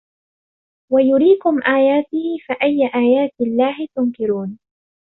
وَيُريكُم آياتِهِ فَأَيَّ آياتِ اللَّهِ تُنكِرونَ